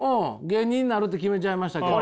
芸人になるって決めちゃいましたけど。